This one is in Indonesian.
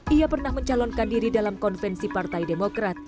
ia pernah mencalonkan diri dalam konvensi partai demokrat